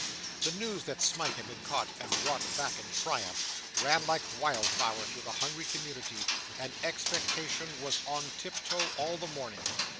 The news that Smike had been caught and brought back in triumph, ran like wild fire through the hungry community, and expectation was on tiptoe all the morning.